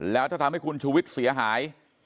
แล้วถ้าทำให้คุณชูวิทย์เสียหาย